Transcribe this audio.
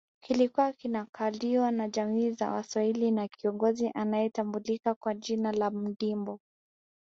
Kilikuwa kinakaliwa na jamii za Waswahili na kiongozi anayetambulika kwa jina la Mndimbo